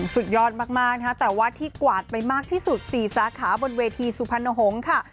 สุดยอดมากนะคะแต่ว่าที่กวาดไปมากที่สุด๔สาขาบนเวทีสุพรรณหงษ์ค่ะ